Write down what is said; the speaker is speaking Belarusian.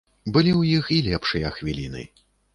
Былі ў іх і лепшыя хвіліны.